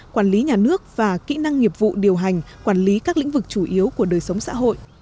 quản lý nhà nước và kỹ năng nghiệp vụ điều hành quản lý các lĩnh vực chủ yếu của đời sống xã hội